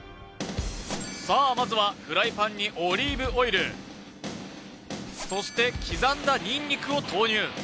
さあまずはフライパンにオリーブオイルそして刻んだニンニクを投入